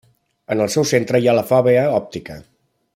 En el seu centre hi ha la fòvea òptica.